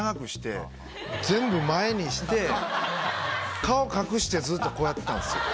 全部前にして顔隠してずっとこうやってたんですよ。